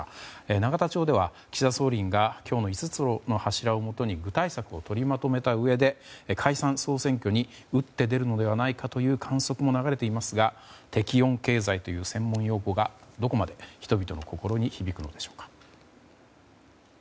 永田町では、岸田総理が今日の５つの柱をもとに具体策を取りまとめたうえで解散・総選挙に打って出るのではないかという観測も流れていますが適温経済という専門用語がどこまで人々の心に響くのでしょうか。